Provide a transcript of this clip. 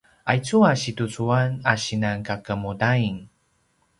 aicu a situcuan a sinan kakemudain